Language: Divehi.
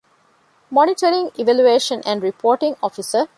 މޮނިޓަރިންގ، އިވެލުއޭޝަން އެންޑް ރިޕޯޓިންގ އޮފިސަރ